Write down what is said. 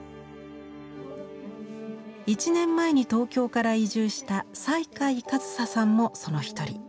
１年前に東京から移住した西海一紗さんもその一人。